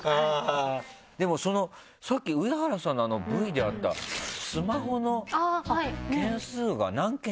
でもそのさっき上原さんのＶＴＲであったスマホの件数が何件でしたっけ？